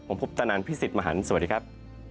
ผมพุทธนันพี่สิทธิ์มหันฯสวัสดีครับ